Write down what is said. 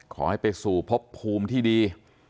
ขอให้ไปสู่พบภูมิที่ดี